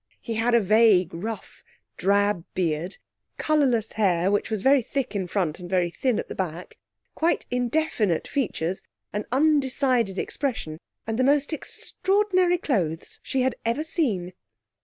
He had a vague, rough, drab beard, colourless hair, which was very thick in front and very thin at the back, quite indefinite features, an undecided expression, and the most extraordinary clothes she had ever seen.